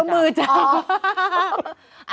โดนมือจับอ๋อ